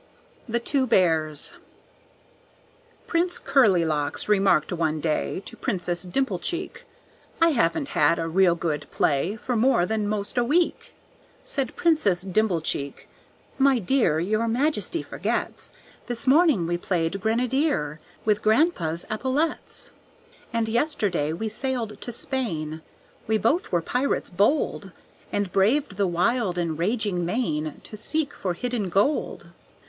The Two Bears Prince Curlilocks remarked one day To Princess Dimplecheek, "I haven't had a real good play For more than 'most a week." Said Princess Dimplecheek, "My dear, Your majesty forgets This morning we played grenadier With grandpa's epaulets. "And yesterday we sailed to Spain We both were pirates bold, And braved the wild and raging main To seek for hidden gold."